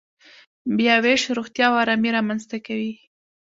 بیاوېش روغتیا او ارامي رامنځته کوي.